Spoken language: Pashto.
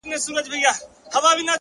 هره رڼا له کوچنۍ ځلا پیلېږي,